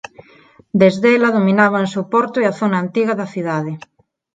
Desde ela dominábanse o porto e a zona antiga da cidade.